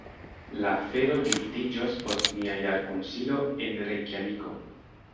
La afero ĝustiĝos post nia jarkunsido en Rejkjaviko.